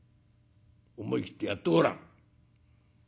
思い切ってやってごらん」。